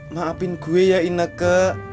maafin gue ya ineke